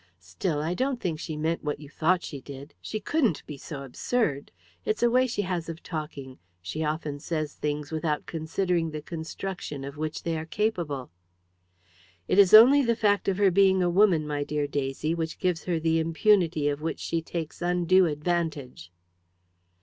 Still, I don't think she meant what you thought she did she couldn't be so absurd! It's a way she has of talking; she often says things without considering the construction of which they are capable." "It is only the fact of her being a woman, my dear Daisy, which gives her the impunity of which she takes undue advantage."